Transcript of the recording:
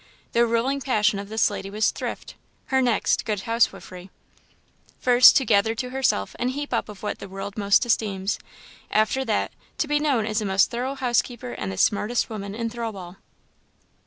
The ruling passion of this lady was thrift; her next, good housewifery. First, to gather to herself and heap up of what the world most esteems; after that, to be known as the most thorough housekeeper and the smartest woman in Thirlwall.